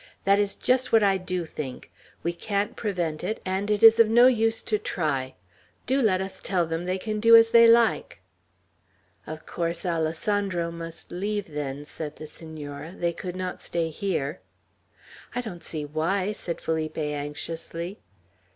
"That's just what I do think. We can't prevent it, and it is of no use to try. Do let us tell them they can do as they like." "Of course, Alessandro must leave us, then," said the Senora. "They could not stay here." "I don't see why!" said Felipe, anxiously.